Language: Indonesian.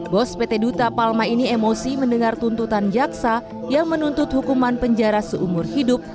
bos pt duta palma ini emosi mendengar tuntutan jaksa yang menuntut hukuman penjara seumur hidup